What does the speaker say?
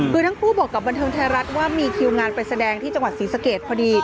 คือทั้งคู่บอกกับบันเทิงไทยรัฐว่ามีคิวงานไปแสดงที่จังหวัดศรีสะเกดพอดี